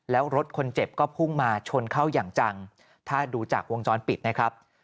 แล้วรถคนเจ็บก็พุ่งมาชนเข้าอย่างจังถ้าดูจากวงจรปิดนะครับ